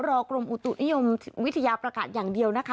กรมอุตุนิยมวิทยาประกาศอย่างเดียวนะคะ